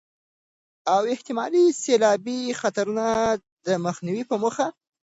او احتمالي سيلابي خطرونو د مخنيوي په موخه